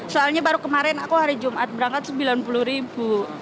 soalnya baru kemarin aku hari jumat berangkat rp sembilan puluh ribu